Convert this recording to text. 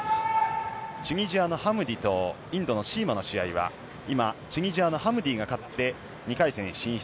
チュニジアのハムディとインドのシーマの試合は今、チュニジアのハムディが勝って２回戦進出。